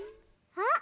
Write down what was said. あっ！